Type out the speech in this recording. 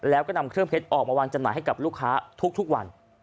แล้วก็นำเครื่องเพชรออกมาวางจำหน่ายให้กับลูกค้าทุกวัน